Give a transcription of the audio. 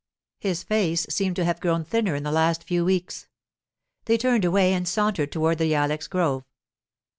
His face seemed to have grown thinner in the last few weeks. They turned away and sauntered toward the ilex grove.